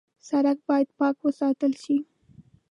سړک باید پاک وساتل شي.